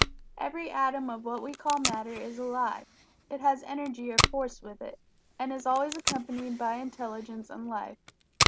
_ Every atom of what we call Matter is alive. It has energy or force with it, and is always accompanied by intelligence and life.